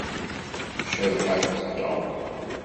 Cabḥa akked Tom.